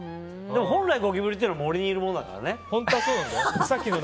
でも本来ゴキブリって森にいるものだからね。